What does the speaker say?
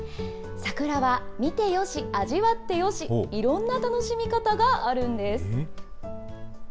桜は見てよし、味わってよし、いろんな楽しみ方があるんです。